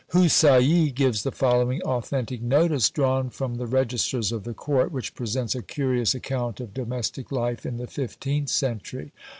Houssaie gives the following authentic notice drawn from the registers of the court, which presents a curious account of domestic life in the fifteenth century.